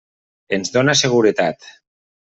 Ens dóna seguretat.